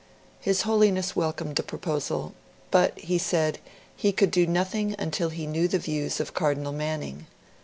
His Holiness welcomed the proposal; but, he said, he could do nothing until he knew the views of Cardinal Manning.